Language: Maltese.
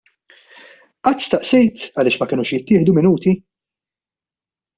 Qatt staqsejt għaliex ma kenux jittieħdu Minuti?